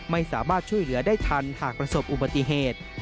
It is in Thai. ไม่สามารถช่วยเหลือได้ทันหากประสบอุบัติเหตุ